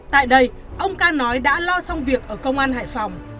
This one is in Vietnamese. tại đây ông ca nói đã lo xong việc ở công an hải phòng